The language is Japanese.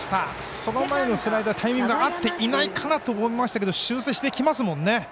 その前のスライダータイミングが合っていないと思いましたが修正してきますものね。